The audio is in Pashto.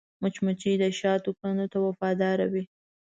مچمچۍ د شاتو کندو ته وفاداره وي